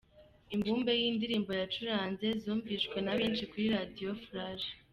Imbumbe y’indirimbo yacuranze zumvishwe na benshi kuri Radio Flash.